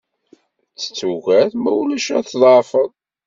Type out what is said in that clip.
Ttett ugar ma ulac ad tḍeɛfeḍ!